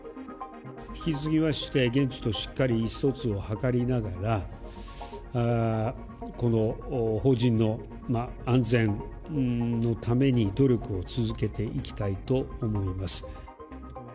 引き続きまして、現地としっかり意思疎通を図りながら、この邦人の安全のために努力を続けていきたいと思います。